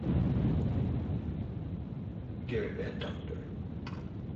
Gerry van Tonder